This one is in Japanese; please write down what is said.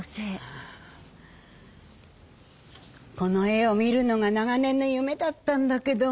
この絵を見るのが長年の夢だったんだけど。